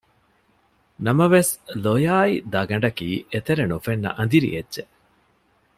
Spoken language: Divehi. ނަމަވެސް ލޮޔާއި ދަގަނޑަކީ އެތެރެ ނުފެންނަ އަނދިރި އެއްޗެއް